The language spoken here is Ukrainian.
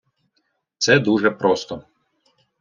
Це дуже просто.